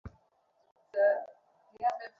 ইহার হাতে তলোয়ার শোভা পায় না।